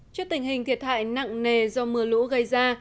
trước tình hình thiệt hại nặng nề do mưa lũ gây ra